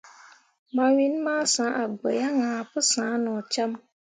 Mawin masǝ̃he a gbǝ yaŋ ahe pǝ sah no cam.